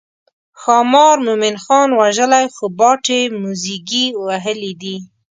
ښامار مومن خان وژلی خو باټې موزیګي وهلي دي.